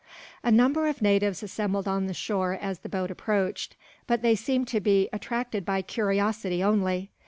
A number of natives assembled on the shore as the boat approached, but they seemed to be attracted by curiosity, only.